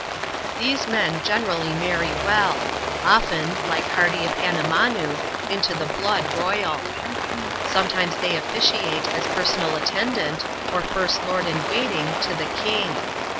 These men generally marry well; often — Hke Har^ of Hannamanoo — into the blood royal. Sometimes they officiate as personal attendant, or first knrd in waiting, to the king.